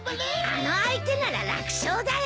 あの相手なら楽勝だよ。